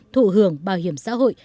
thụ hưởng bảo hiểm xã hội